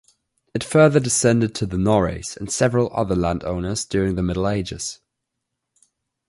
It further descended to the Norreys and several other landowners during the middle ages.